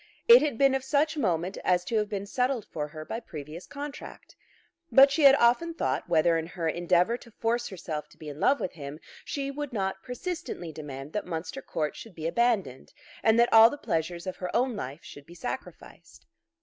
It had been of such moment as to have been settled for her by previous contract. But, she had often thought, whether in her endeavour to force herself to be in love with him, she would not persistently demand that Munster Court should be abandoned, and that all the pleasures of her own life should be sacrificed.